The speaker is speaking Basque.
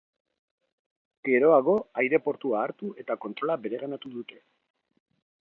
Geroago aireportua hartu eta kontrola bereganatu dute.